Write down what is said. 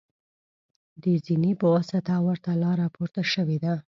د زینې په واسطه ورته لاره پورته شوې ده.